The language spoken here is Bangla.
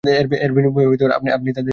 এর বিনিময়ও আপনি তাদের জানিয়ে দিয়েছেন।